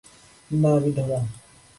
না, বিধবা।